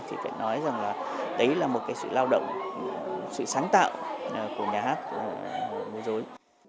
thì phải nói rằng là đấy là một cái sự lao động sự sáng tạo của nhà hát múa dối